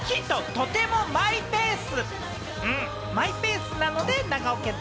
とってもマイペース？